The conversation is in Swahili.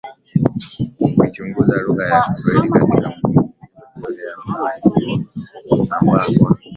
kuichunguza lugha ya Kiswahili katika mfumo mzima wa historia ya mgawanyiko wa kusambaa kwa